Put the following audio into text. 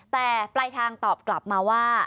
แต่ปลายทางตอบกลับมาว่า